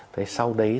thế sau đấy